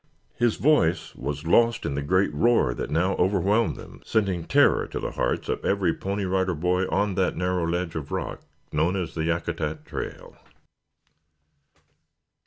His voice was lost in the great roar that now overwhelmed them, sending terror to the hearts of every Pony Rider Boy on that narrow ledge of rock known as the Yakutat trail.